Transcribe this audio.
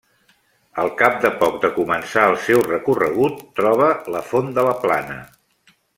Al cap de poc de començar el seu recorregut troba la Font de la Plana.